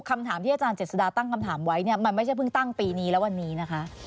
คำถามที่อาจารย์เจษฎาตั้งคำถามไว้เนี่ยมันไม่ใช่เพิ่งตั้งปีนี้แล้ววันนี้นะคะ